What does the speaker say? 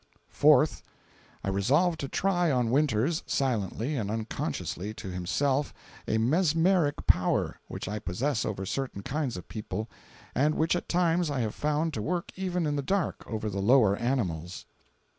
Fourth.—I resolved to try on Winters, silently, and unconsciously to himself a mesmeric power which I possess over certain kinds of people, and which at times I have found to work even in the dark over the lower animals.